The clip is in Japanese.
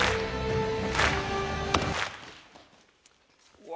うわ。